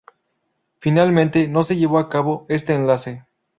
Finalmente no se llevó a cabo este enlace.